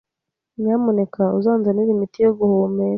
Nyamuneka uzanzanire imiti yo guhumeka.